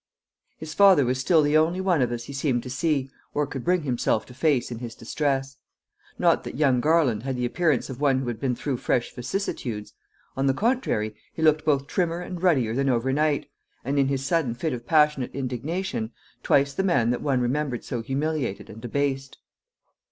His father was still the only one of us he seemed to see, or could bring himself to face in his distress. Not that young Garland had the appearance of one who had been through fresh vicissitudes; on the contrary, he looked both trimmer and ruddier than overnight; and in his sudden fit of passionate indignation, twice the man that one remembered so humiliated and abased.